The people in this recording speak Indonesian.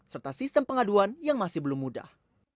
serta sistem pengaduan yang masih belum mudah